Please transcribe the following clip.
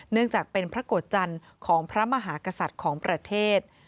เนื่องจากเป็นพระโกรธจันทร์ของพระมหากษัตริย์ของประเทศ